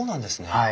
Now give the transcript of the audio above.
はい。